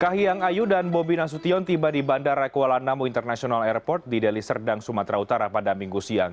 kahiyang ayu dan bobi nasution tiba di bandara kuala namu international airport di deli serdang sumatera utara pada minggu siang